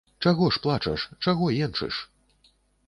Чаго ж плачаш, чаго енчыш?